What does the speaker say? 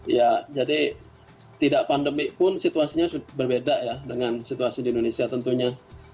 ya jadi tidak pandemi pun situasinya berbeda ya dengan situasi di indonesia tentunya